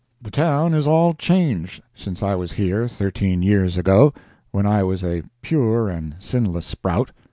The town is all changed since I was here, thirteen years ago, when I was a pure and sinless sprout.